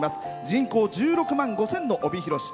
人口１６万５０００の帯広市。